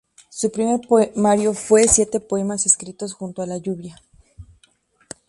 Su primer poemario fue "Siete poemas escritos junto a la lluvia".